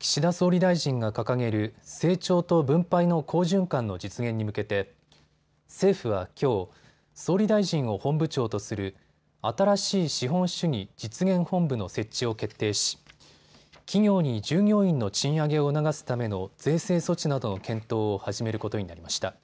岸田総理大臣が掲げる成長と分配の好循環の実現に向けて政府はきょう、総理大臣を本部長とする新しい資本主義実現本部の設置を決定し企業に従業員の賃上げを促すための税制措置などの検討を始めることになりました。